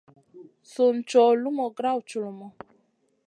Sùn cow lumu grawd culumu.